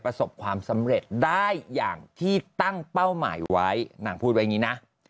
ประสบความสำเร็จได้อย่างที่ตั้งเป้าหมายไว้นางพูดไว้อย่างนี้นะ